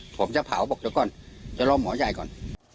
ผมจะเผาบอกเดี๋ยวก่อนเดี๋ยวรอหมอใหญ่ก่อน